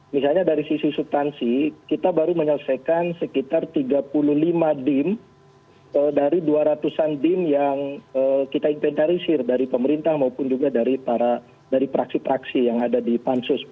misalnya dari sisi subtansi kita baru menyelesaikan sekitar tiga puluh lima dim dari dua ratus an dim yang kita inventarisir dari pemerintah maupun juga dari praksi praksi yang ada di pansus